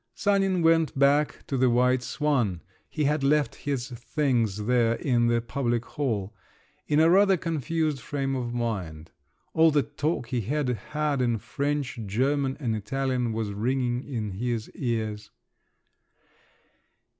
Sanin went back to the White Swan (he had left his things there in the public hall) in a rather confused frame of mind. All the talk he had had in French, German, and Italian was ringing in his ears.